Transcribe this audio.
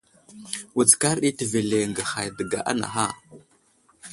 Wutskar ɗi təveleŋge hay dəga anaha.